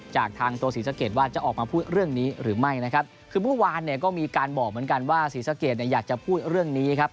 จากทางตัวศรีสะเกดว่าจะออกมาพูดเรื่องนี้หรือไม่นะครับคือเมื่อวานเนี่ยก็มีการบอกเหมือนกันว่าศรีสะเกดเนี่ยอยากจะพูดเรื่องนี้ครับ